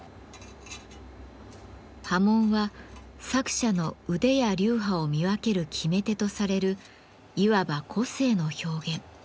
刃文は作者の腕や流派を見分ける決め手とされるいわば個性の表現。